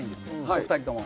お二人とも。